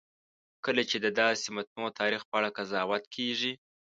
کله چې د داسې متنوع تاریخ په اړه قضاوت کېږي.